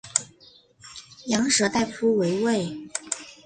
羊舌大夫为尉。